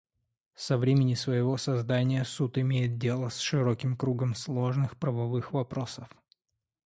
Со времени своего создания Суд имеет дело с широким кругом сложных правовых вопросов.